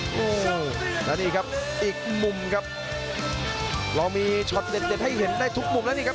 โอ้โหแล้วนี่ครับอีกมุมครับเรามีช็อตเด็ดเด็ดให้เห็นได้ทุกมุมแล้วนี่ครับ